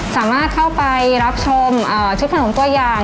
สามารถเข้าไปรับชมชุดขนมตัวอย่าง